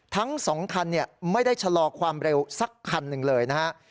ทั้ง๒คันไม่ได้ชะลอความเร็วสักคันหนึ่งเลยนะฮะ